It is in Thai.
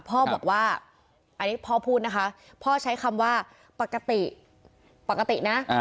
พ่อบอกว่าอันนี้พ่อพูดนะคะพ่อใช้คำว่าปกติปกตินะ